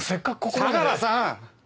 相良さん！